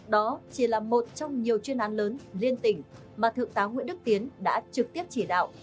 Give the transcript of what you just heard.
đó chỉ là một trong nhiều chuyên án lớn liên tỉnh mà thượng tá nguyễn đức tiến đã trực tiếp chỉ đạo